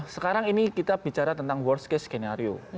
sekarang ini kita bicara tentang worst case skenario